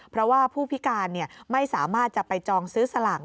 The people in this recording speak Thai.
เพราะว่าผู้พิการไม่สามารถจะไปจองซื้อสลาก